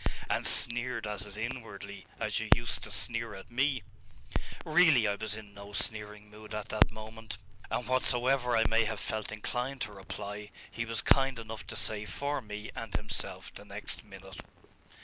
'And sneered at it inwardly, as you used to sneer at me.' 'Really I was in no sneering mood at that moment; and whatsoever I may have felt inclined to reply, he was kind enough to say for me and himself the next minute.